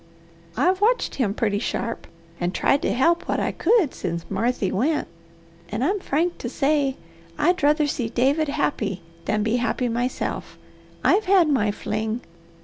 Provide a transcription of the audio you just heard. I've watched him pretty sharp, and tried to help what I could since Marthy went, and I'm frank to say I druther see David happy than to be happy myself. I've had my fling.